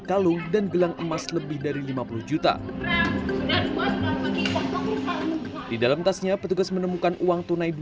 kalung dan gelang emas lebih dari lima puluh juta di dalam tasnya petugas menemukan uang tunai